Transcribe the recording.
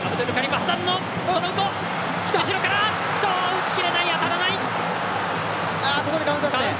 打ちきれない、当たらない。